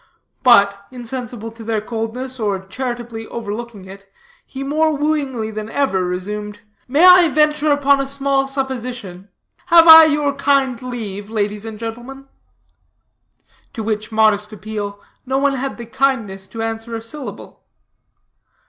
But, insensible to their coldness, or charitably overlooking it, he more wooingly than ever resumed: "May I venture upon a small supposition? Have I your kind leave, ladies and gentlemen?" To which modest appeal, no one had the kindness to answer a syllable.